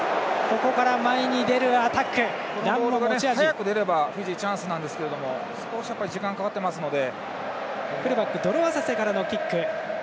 早く出ればフィジーチャンスなんですが少し時間かかっていますので。